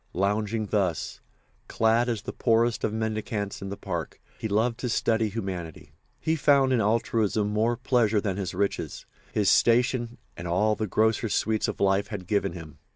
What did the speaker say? Lounging thus, clad as the poorest of mendicants in the parks, he loved to study humanity. He found in altruism more pleasure than his riches, his station and all the grosser sweets of life had given him.